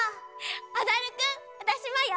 おどるくんわたしもよ！